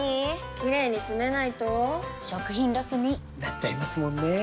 キレイにつめないと食品ロスに．．．なっちゃいますもんねー！